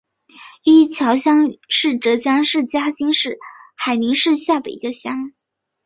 伊桥乡是浙江省嘉兴市海宁市下的一个乡。